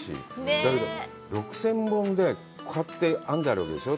だけど、６０００本で編んであるわけでしょう？